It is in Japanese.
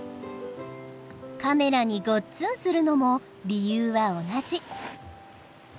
カメラにごっつんするのも理由は同じ。